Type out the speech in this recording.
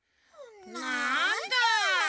なんだ。